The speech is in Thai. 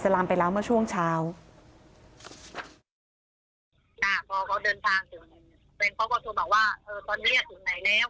พอโทรถามเขาว่าอยู่ไหนแล้วเขาบอกว่าถึงลังงูแล้ว